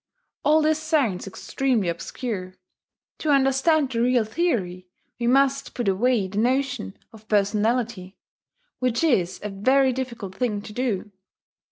All this sounds extremely obscure: to understand the real theory we must put away the notion of personality, which is a very difficult thing to do.